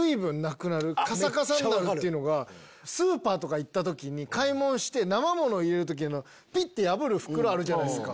カサカサになるっていうのがスーパーとか行った時に買い物して生もの入れる時ピッて破る袋あるじゃないですか。